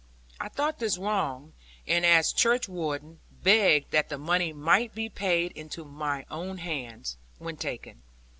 I thought this wrong; and as church warden, begged that the money might be paid into mine own hands, when taken.